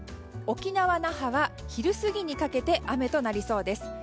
沖縄・那覇は昼過ぎにかけて雨となりそうです。